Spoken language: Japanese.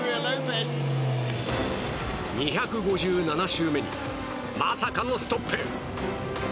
２５７周目にまさかのストップ。